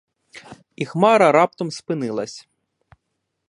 І хмара раптом спинилась.